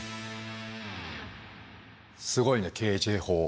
すごいねＫＪ法。